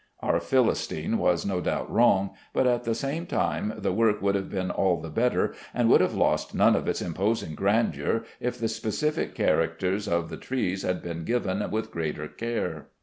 Our Philistine was no doubt wrong, but, at the same time, the work would have been all the better, and would have lost none of its imposing grandeur if the specific characters of the trees had been given with greater care.